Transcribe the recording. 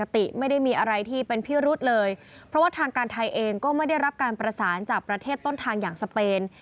ไม่ได้มีอะไรที่เป็นพิรุษเลยเพราะว่าทางการไทยเองก็ไม่ได้รับการประสานจากประเทศต้นทางอย่างสเปน